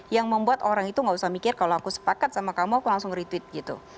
yang membuat orang itu gak usah mikir kalau aku sepakat sama kamu aku langsung retweet gitu